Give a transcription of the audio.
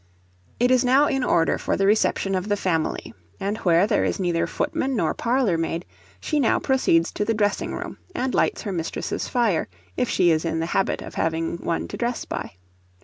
It is now in order for the reception of the family; and where there is neither footman nor parlour maid, she now proceeds to the dressing room, and lights her mistress's fire, if she is in the habit of having one to dress by.